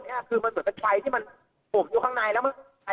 ความตื่นจะไปที่มันผมทำนายลำมา